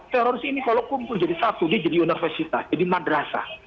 teroris ini kalau kumpul jadi satu dia jadi universitas jadi madrasah